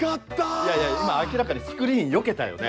いやいや今明らかにスクリーンよけたよね。